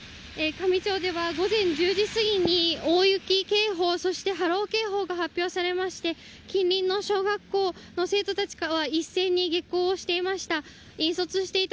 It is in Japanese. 香美町では午前１０時過ぎに大雪警報そして波浪警報が発表されまして近隣の小学校の生徒たちは一斉に下校していました。